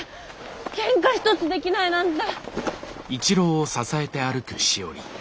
けんか一つできないなんて。